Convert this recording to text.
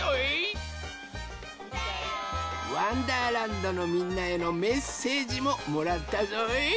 どのみんなへのメッセージももらったぞい。